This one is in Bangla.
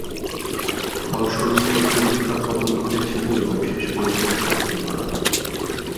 ফলস্বরূপ প্রচুর উত্থান-পতন ঘটেছিল এবং শেষ পর্যন্ত সত্যটি ধরা পড়ে।